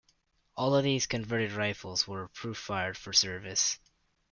All of these converted rifles were proof-fired for service.